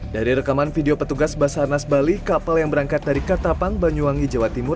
dari rekaman video petugas basarnas bali kapal yang berangkat dari katapang banyuwangi jawa timur